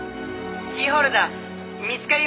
「キーホルダー見つかりましたよ！」